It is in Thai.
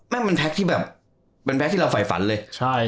แม่งมันแพ็คที่แบบเป็นแพ็คที่เราไฝฝันเลย